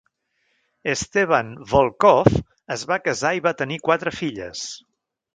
Esteban Volkov es va casar i va tenir quatre filles.